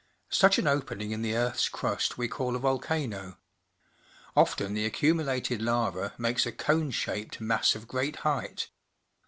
Such an opening in the earth's crust we call a volcano. Often the accumu lated lava makes a cone shaped mass of great height.